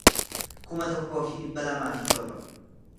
kuma tokkoo fi dhibba lamaa fi torba